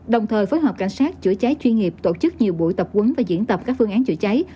đồng thời phối hợp cảnh sát chữa cháy chuyên nghiệp tổ chức nhiều buổi tập quấn và diễn tập các phương án chữa cháy